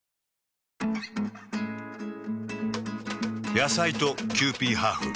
野菜とキユーピーハーフ。